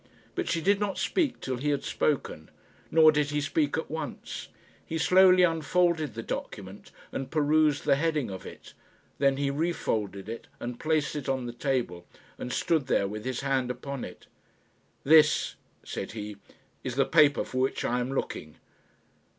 But she did not speak till he had spoken; nor did he speak at once. He slowly unfolded the document, and perused the heading of it; then he refolded it, and placed it on the table, and stood there with his hand upon it. "This," said he, "is the paper for which I am looking.